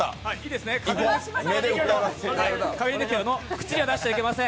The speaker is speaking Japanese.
口には出してはいけません。